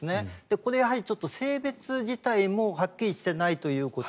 これはやはり性別自体もはっきりしていないということ。